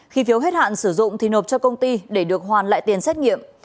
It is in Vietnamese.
khi phiếu hết hạn sử dụng thì nộp cho công ty để được hoàn lại tiền xét nghiệm